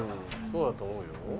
そうだと思うよ。